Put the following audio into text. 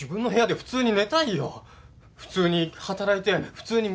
普通に働いて普通に飯食って。